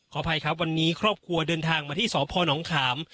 อภัยครับวันนี้ครอบครัวเดินทางมาที่สพนขาม